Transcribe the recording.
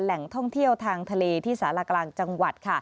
แหล่งท่องเที่ยวทางทะเลที่สารากลางจังหวัด